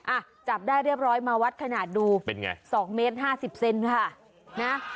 อ่ะจับได้เรียบร้อยมาวัดขนาดดูเป็นไง๒เมตรห้าสิบเซนค่ะนะ